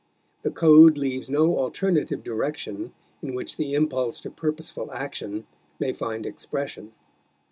The code leaves no alternative direction in which the impulse to purposeful action may find expression.